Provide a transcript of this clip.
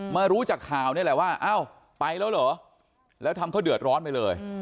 รู้จากข่าวนี่แหละว่าอ้าวไปแล้วเหรอแล้วทำเขาเดือดร้อนไปเลย